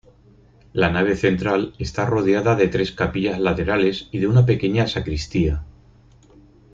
La nave central está rodeada de tres capillas laterales y de una pequeña sacristía.